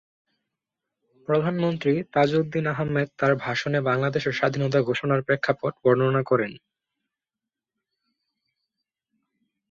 প্রধানমন্ত্রী তাজউদ্দীন আহমদ তার ভাষণে বাংলাদেশের স্বাধীনতা ঘোষণার প্রেক্ষাপট বর্ণনা করেন।